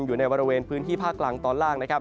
อยู่ในบริเวณพื้นที่ภาคกลางตอนล่างนะครับ